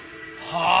はあ。